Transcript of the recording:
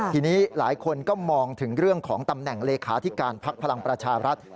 ทีนี้หลายคนก็มองถึงเรื่องของตำแหน่งเลขาธิการพักพลังประชารัฐ